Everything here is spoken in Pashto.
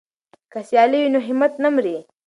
که سیالي وي نو همت نه مري.